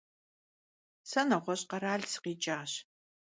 Se neğueş' kheral sıkhiç'aş.